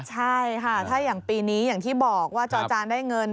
ใช่ค่ะถ้าอย่างปีนี้อย่างที่บอกว่าจอจานได้เงิน